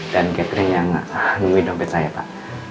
dan catherine yang nemuin dompet saya pak